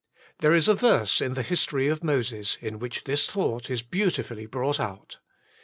There is a verse in the history of Moses, in which this thought is beau tifully brought out.